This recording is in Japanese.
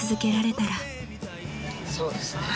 そうですね。